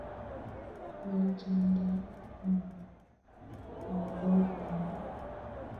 Weerdjenda nalam maʼa vovuma.